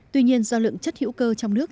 tuy nhiên do lượng chất hữu cơ trong nước